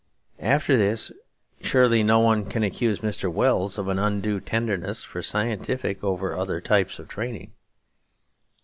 After this, surely no one can accuse Mr. Wells of an undue tenderness for scientific over other types of training.